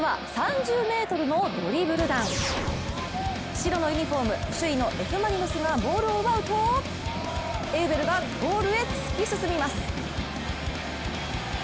白のユニフォーム、首位のＦ・マリノスがボールを奪うとエウベルがゴールへ突き進みます。